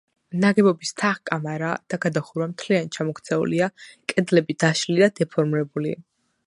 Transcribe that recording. ნაგებობის თაღ-კამარა და გადახურვა მთლიანად ჩამოქცეულია, კედლები დაშლილი და დეფორმირებულია.